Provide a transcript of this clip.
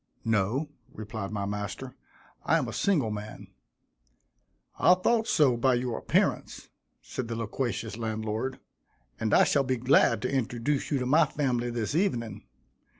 "No," replied my master, "I am a single man." "I thought so by your appearance," said the loquacious landlord, "and I shall be glad to introduce you to my family this evening.